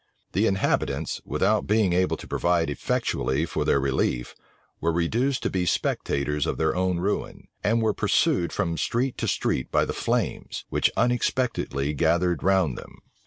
The inhabitants, without being able to provide effectually for their relief, were reduced to be spectators of their own ruin; and were pursued from street to street by the flames, which unexpectedly gathered round them.